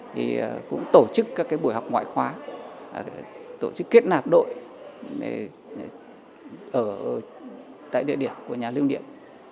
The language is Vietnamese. thì cũng tổ chức các cái buổi học ngoại khóa tổ chức kết nạp đội tại địa điểm của nhà lương điện